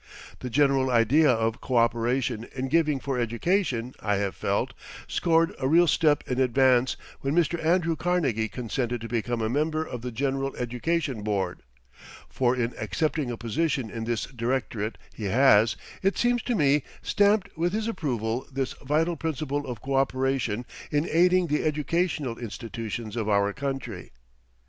The general idea of coöperation in giving for education, I have felt, scored a real step in advance when Mr. Andrew Carnegie consented to become a member of the General Education Board. For in accepting a position in this directorate he has, it seems to me, stamped with his approval this vital principle of coöperation in aiding the educational institutions of our country.